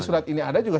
surat ini ada juga